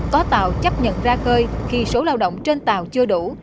có tàu chấp nhận ra khơi khi số lao động trên tàu chưa đủ